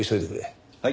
はい。